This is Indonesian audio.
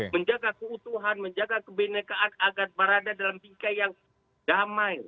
menjaga keutuhan menjaga kebenekaan agar berada dalam bingkai yang damai